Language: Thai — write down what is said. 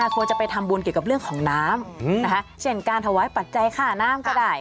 ควรจะไปทำบุญเกี่ยวกับเรื่องของน้ำนะคะเช่นการถวายปัจจัยค่าน้ำก็ได้